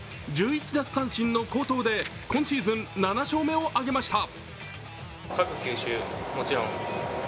１１奪三振の好投で今シーズン７勝目を挙げました。